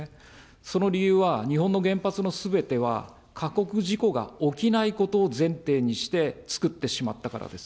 その理由は、日本の原発のすべては、かこく事故が起きないことを前提にしてつくってしまったからです。